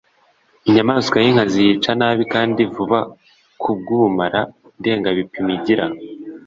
inyamaswa y’inkazi yica nabi kandi vuba ku bw’ubumara ndengabipimo igira